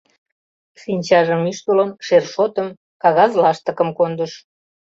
Шинчажым ӱштылын, шершотым, кагаз лаштыкым кондыш.